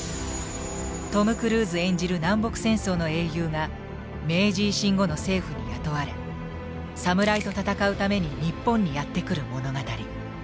トム・クルーズ演じる南北戦争の英雄が明治維新後の政府に雇われ侍と戦うために日本にやって来る物語。